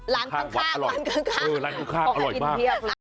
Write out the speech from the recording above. ร้านข้างร้านข้างอร่อยมาก